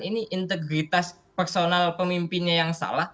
ini integritas personal pemimpinnya yang salah